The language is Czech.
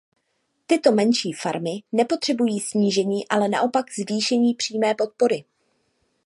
Tyto menší farmy nepotřebují snížení, ale naopak zvýšení přímé podpory.